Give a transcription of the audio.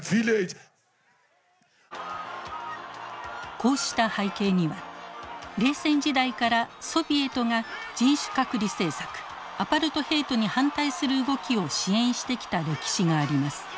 こうした背景には冷戦時代からソビエトが人種隔離政策アパルトヘイトに反対する動きを支援してきた歴史があります。